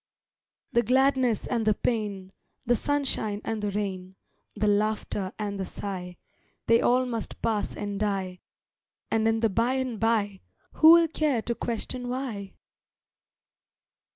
The gladness and the pain, The sunshine and the rain, The laughter and the sigh, They all must pass and die; And in the by and by, Who'll care to question why?